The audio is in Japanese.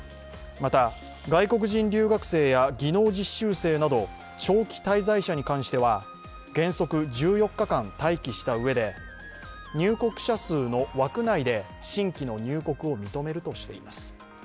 また、外国人留学生や技能実習生など長期滞在者に関しては原則１４日間待機したうえで入国者数の枠内で新規の入国を認めるとしています。